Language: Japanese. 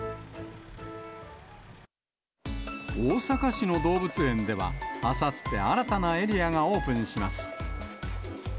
大阪市の動物園では、あさって、新たなエリアがオープンします。